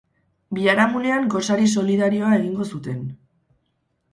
Biharamunean gosari solidarioa egingo zuten.